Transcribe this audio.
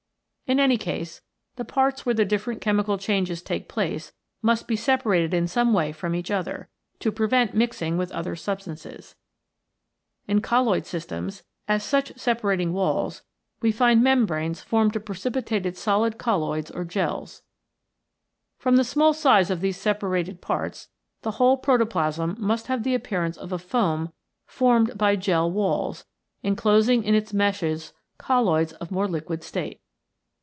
In any case, the parts where the different chemical changes take place must be separated in some way from each other, to prevent mixing with other substances. In colloid systems, as such separating walls, we find membranes formed of 59 CHEMICAL PHENOMENA IN LIFE precipitated solid colloids or gels. From the small size of these separated parts the whole protoplasm must have the appearance of a foam formed by gel walls, inclosing in its meshes colloids of more liquid state.